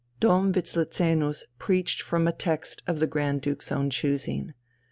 Dom Wislezenus preached from a text of the Grand Duke's own choosing.